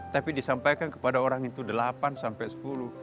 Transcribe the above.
tapi disampaikan kepada orang itu delapan sampai sepuluh